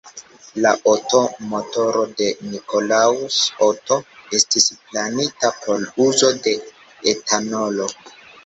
La Otto-motoro de Nikolaus Otto estis planita por uzo de etanolo.